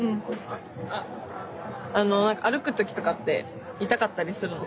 何か歩く時とかって痛かったりするの？